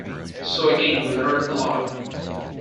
So again, we learned a lot.